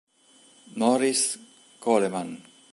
Norris Coleman